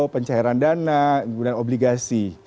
pencairan dana kemudian obligasi